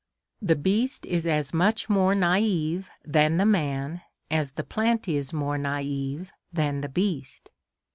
The beast is as much more naïve than the man as the plant is more naïve than the beast.